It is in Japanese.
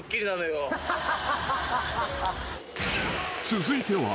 ［続いては］